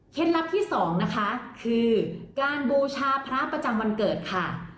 ลับที่สองนะคะคือการบูชาพระประจำวันเกิดค่ะ